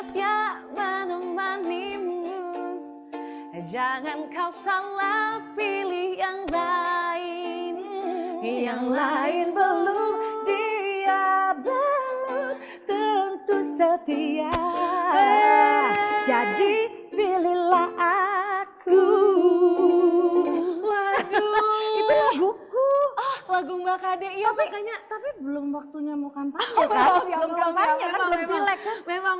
belum tentu setia jadi pilihlah aku lagu lagu mbak kd tapi belum waktunya mau kampanye memang